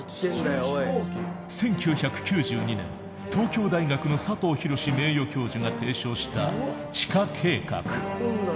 １９９２年東京大学の佐藤浩名誉教授が提唱した地下計画。